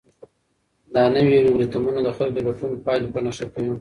دا نوي الګوریتمونه د خلکو د لټون پایلې په نښه کوي.